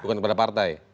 bukan kepada partai